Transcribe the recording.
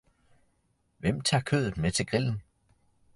Hvem tager kødet med til grillen?